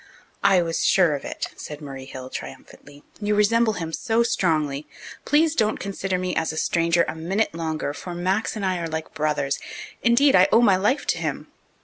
"I was sure of it," said Murray Hill triumphantly. "You resemble him so strongly. Please don't consider me as a stranger a minute longer, for Max and I are like brothers. Indeed, I owe my life to him.